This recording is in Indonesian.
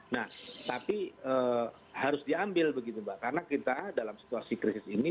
nah tapi harus diambil begitu mbak karena kita dalam situasi krisis ini